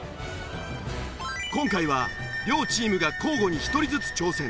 今回は両チームが交互に１人ずつ挑戦。